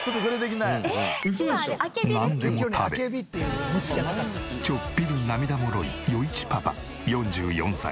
なんでも食べちょっぴり涙もろい余一パパ４４歳。